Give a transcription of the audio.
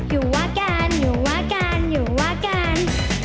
อยู่ว่ากันอยู่ว่ากันอยู่ว่ากัน